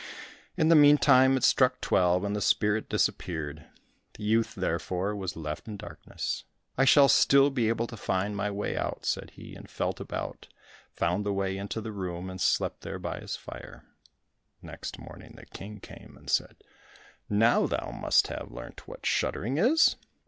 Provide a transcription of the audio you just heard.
In the meantime it struck twelve, and the spirit disappeared; the youth, therefore, was left in darkness. "I shall still be able to find my way out," said he, and felt about, found the way into the room, and slept there by his fire. Next morning the King came and said "Now thou must have learnt what shuddering is?"